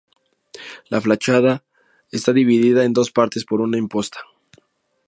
La fachada está dividida en dos partes por una imposta.